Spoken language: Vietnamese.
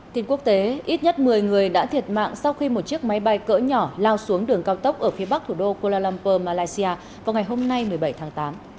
tin quốc tế ít nhất một mươi người đã thiệt mạng sau khi một chiếc máy bay cỡ nhỏ lao xuống đường cao tốc ở phía bắc thủ đô kuala lumpur malaysia vào ngày hôm nay một mươi bảy tháng tám